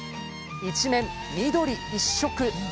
一面、緑一色。